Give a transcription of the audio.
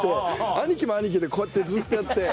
兄貴も兄貴でこうやってずっとやって。